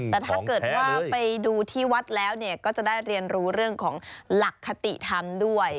แต่ถ้าเกิดว่าไปดูที่วัดแล้วก็จะได้เรียนรู้เรื่องของหลักคติธรรมด้วย